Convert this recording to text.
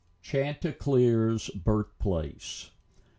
chanticleer's birthplace.